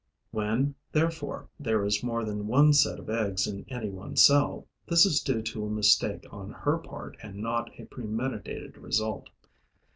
When, therefore, there is more than one set of eggs in any one cell, this is due to a mistake on her part and not a premeditated result.